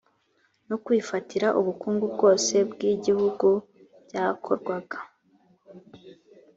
no kwifatira ubukungu bwose bw igihugu byakorwaga